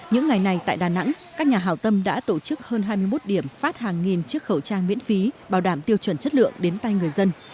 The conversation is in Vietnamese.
những ngày này tại đà nẵng các nhà hào tâm đã tổ chức hơn hai mươi một điểm phát hàng nghìn chiếc khẩu trang miễn phí bảo đảm tiêu chuẩn chất lượng đến tay người dân